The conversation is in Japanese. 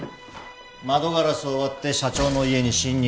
窓ガラスを割って社長の家に侵入